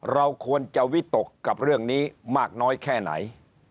เราควรจะวิตกกับเรื่องนี้มากน้อยแค่ไหน